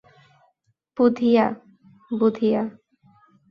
Budhia, Budhia!